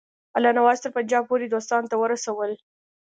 الله نواز تر پنجاب پوري دوستانو ته ورسول.